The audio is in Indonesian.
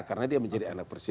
karena dia menjadi anak presiden